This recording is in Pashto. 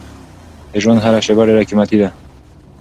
د ژوند هره شېبه ډېره قیمتي ده.